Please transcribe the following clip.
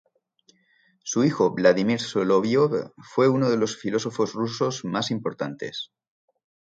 Su hijo Vladímir Soloviov fue uno de los filósofos rusos más importantes.